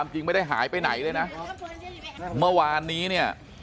จริงไม่ได้หายไปไหนเลยนะเมื่อวานนี้เนี่ย